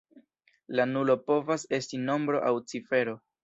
La nulo povas esti nombro aŭ cifero.